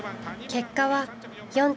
結果は４着。